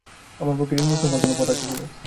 আমার পক্ষে ঋণমুক্ত হবার কোনো পথ আছে কি না।